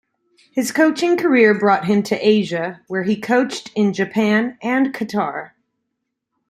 His coaching career brought him to Asia, where he coached in Japan and Qatar.